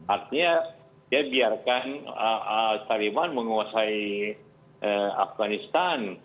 artinya ya biarkan taliban menguasai afganistan